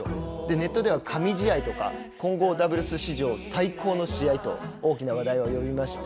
ネットでは神試合とか混合ダブルス史上最高の試合と大きな話題を呼びました。